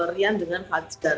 rian dengan fajar